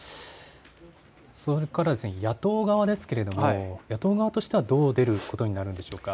それから野党側ですが野党側としてはどう出ることになるでしょうか。